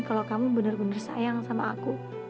kalau kamu bener bener sayang sama aku